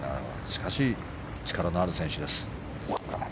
しかし力のある選手です。